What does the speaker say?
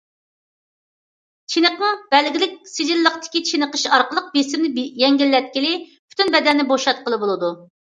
چېنىقىڭ بەلگىلىك سىجىللىقتىكى چېنىقىش ئارقىلىق بېسىمنى يېنىكلەتكىلى، پۈتۈن بەدەننى بوشاتقىلى بولىدۇ.